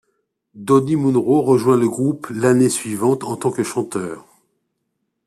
Donnie Munro rejoint le groupe l’année suivante, en tant que chanteur.